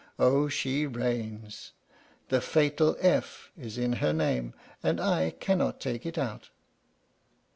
Oh, she reigns! The fatal F is in her name, and I cannot take it out!'"